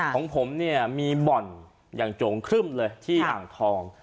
ของผมเนี่ยมีบ่อนอย่างโจงครึ่มเลยที่อ่างทอง